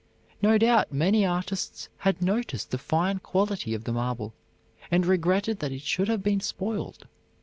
No doubt many artists had noticed the fine quality of the marble, and regretted that it should have been spoiled.